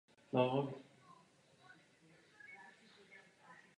Kostel je monumentální pozdně barokní jednolodní stavbou s románským jádrem.